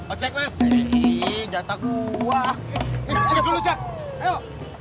ojek meski jatah gua dulu cek ayo